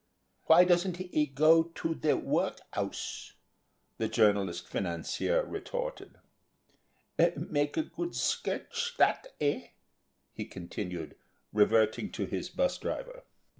"Why doesn't he go to the work'ouse," the journalist financier retorted. "Make a good sketch that, eh?" he continued, reverting to his bus driver.